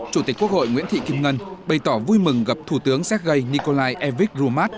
chủ tịch quốc hội nguyễn thị kim ngân bày tỏ vui mừng gặp thủ tướng sergei nikolai evik rumat